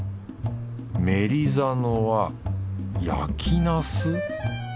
メリザノは焼きナス？